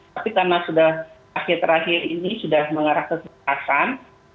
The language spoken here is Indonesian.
tapi karena sudah akhir akhir ini sudah mengarah kesepakatan